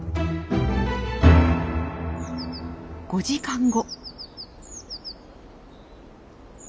５時間後。